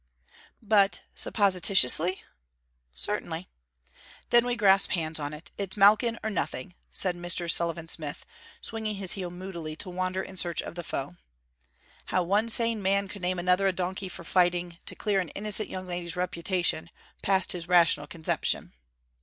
'But supposititiously?' 'Certainly.' 'Then we grasp hands on it. It's Malkin or nothing!' said Mr. Sullivan Smith, swinging his heel moodily to wander in search of the foe. How one sane man could name another a donkey for fighting to clear an innocent young lady's reputation, passed his rational conception.